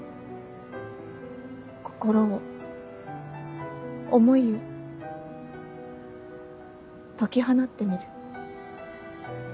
心を思いを解き放ってみる。